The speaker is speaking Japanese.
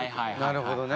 なるほどね。